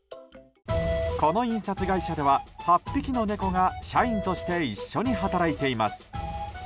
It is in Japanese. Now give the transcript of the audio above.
この印刷会社では８匹の猫が社員として一緒に働いています。